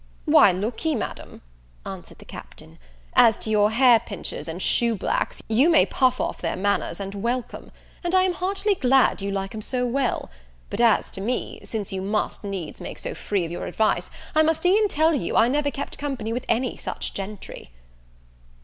"Why, look ye, Madam," answered the Captain, "as to your hair pinchers and shoe blacks, you may puff off their manners, and welcome; and I am heartily glad you like 'em so well: but as to me, since you must needs make so free of your advice, I must e'en tell you, I never kept company with any such gentry."